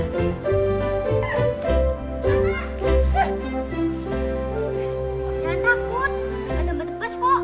jangan takut gak ada mbak tebas kok